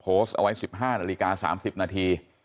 โพสต์เอาไว้๑๕นาฬิกา๓๐นาที